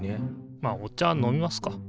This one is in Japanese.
まあお茶飲みますか。